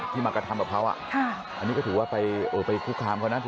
ที่มากระทำแบบเขาอ่ะอันนี้ก็ถือว่าไปคุกคามก่อนนะ